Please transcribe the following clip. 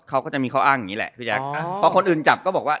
เขาก็จะมีเขาอ้างอย่างนี้แหละพี่แจ๊คพอคนอื่นจับก็บอกว่า